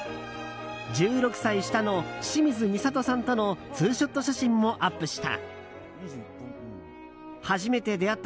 １６歳下の清水みさとさんとのツーショット写真もアップした。